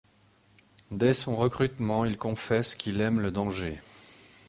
Dès son recrutement, il confesse qu'il aime le danger.